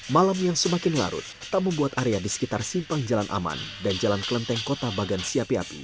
malam yang semakin larut tak membuat area di sekitar simpang jalan aman dan jalan kelenteng kota bagansi api api